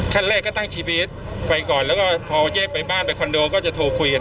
ขั้นแรกก็ตั้งชีวิตไปก่อนแล้วก็พอเจ๊ไปบ้านไปคอนโดก็จะโทรคุยกัน